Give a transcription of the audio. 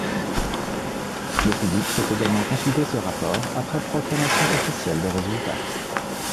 Le public peut également consulter ce rapport après proclamation officielle des résultats.